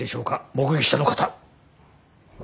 目撃者の方。